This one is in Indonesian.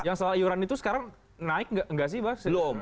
yang selayuran itu sekarang naik nggak sih pak